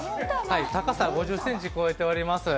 高さ５０ｃｍを超えております